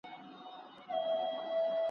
چي مي زړه ته رانیژدې وي هغه ټول راڅخه تللي ,